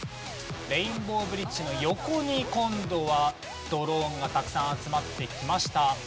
レインボーブリッジの横に今度はドローンがたくさん集まってきました。